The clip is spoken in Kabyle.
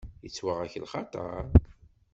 Yettwaɣ-ak lxaṭer?